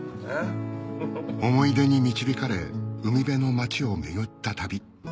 思い出に導かれ海辺の町を巡った旅